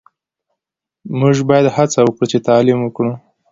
موژ باید هڅه وکړو چی تعلیم وکړو